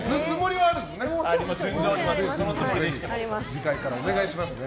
次回からお願いしますね。